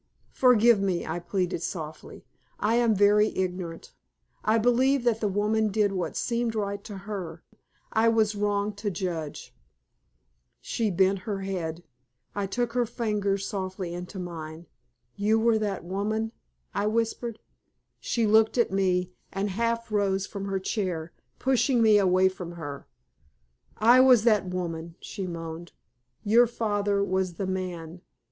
"Forgive me!" I pleaded, softly. "I am very ignorant. I believe that the woman did what seemed right to her. I was wrong to judge." She bent her head. I took her fingers softly into mine. "You were that woman," I whispered. She looked at me and half rose from her chair, pushing me away from her. "I was that woman," she moaned. "Your father was the man!